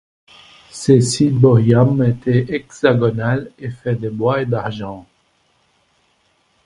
Ce ciborium était hexagonal et fait de bois et d’argent.